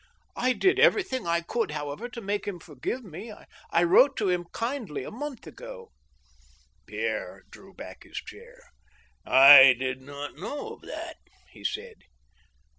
" I did everything I could, however, to make him foigive me ;..• I wrote to him kindly a month ago." Pierre drew back his chair. " I did not know of that," he said.